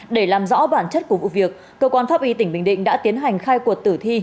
để làm rõ bản chất của vụ việc cơ quan pháp y tỉnh bình định đã tiến hành khai cuộc tử thi